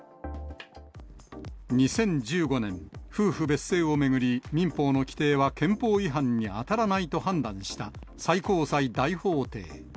２０１５年、夫婦別姓を巡り、民法の規定は憲法違反に当たらないと判断した最高裁大法廷。